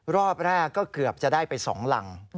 รอบแรกก็เกือบจะได้ไป๒รัง